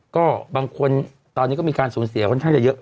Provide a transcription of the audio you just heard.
ก็บางคนตอนนี้ก็มีการสูญเสียค่อนข้างจะเยอะ